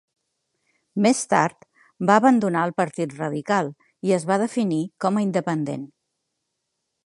Més tard va abandonar el Partit Radical i es va definir com a independent.